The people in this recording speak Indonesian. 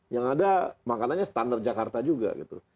yang ada makanannya standar jakarta juga gitu